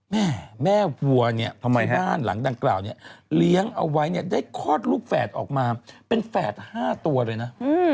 แม่แม่วัวเนี่ยทำไมบ้านหลังดังกล่าวเนี่ยเลี้ยงเอาไว้เนี่ยได้คลอดลูกแฝดออกมาเป็นแฝด๕ตัวเลยนะ